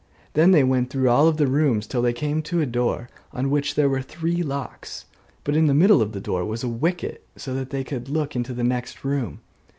Then they went through all the rooms, till they came to a door on which were three locks: but in the middle of the door was a wicket, so that they could look into the next room.